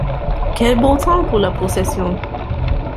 Quel beau temps pour la procession!